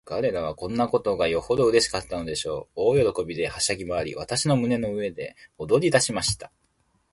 彼等はこんなことがよほどうれしかったのでしょう。大喜びで、はしゃぎまわり、私の胸の上で踊りだしました。